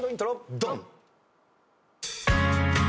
ドン！